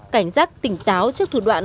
cảnh giác tỉnh táo trước thủ đoạn